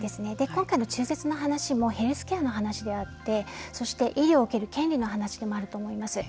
今回の中絶の話もヘルスケアの話であってそして医療を受ける権利の話でもあると思います。